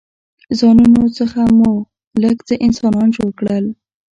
ځانونو څخه مو لږ څه انسانان جوړ کړل.